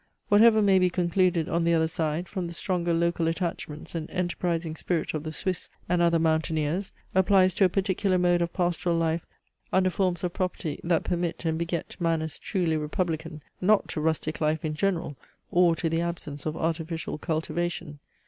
Whatever may be concluded on the other side, from the stronger local attachments and enterprising spirit of the Swiss, and other mountaineers, applies to a particular mode of pastoral life, under forms of property that permit and beget manners truly republican, not to rustic life in general, or to the absence of artificial cultivation.